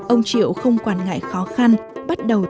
ông triệu không quản ngại khó khăn bắt đầu